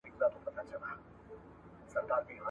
ځوانان باید د رواني ستونزو په اړه خبر شي.